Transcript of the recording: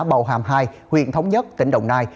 bào hàm hai huyện thống nhất tỉnh đồng nai